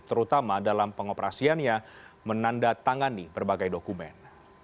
terutama dalam pengoperasiannya menanda tangani berbagai dokumen